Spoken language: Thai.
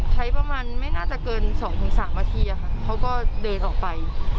ใช้ประมาณไม่น่าจะเกิน๒๓นาทีเขาก็เดินออกไป